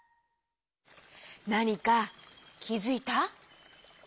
なにかきづいた？